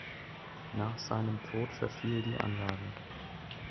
Nach seinem Tod verfiel die Anlage.